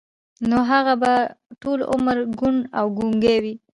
نو هغه به ټول عمر کوڼ او ګونګی و.